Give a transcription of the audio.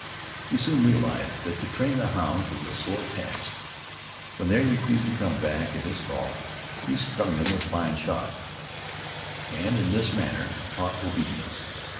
He soon realized that to train the hounds was a sore task. When they refused to come back at his call, he stung them with fine shot, and in this manner taught obedience.